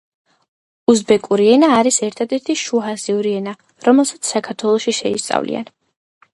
უზბეკური ენა არის ერთადერთი შუა აზიური ენა, რომელსაც საქართველოში შეისწავლიან.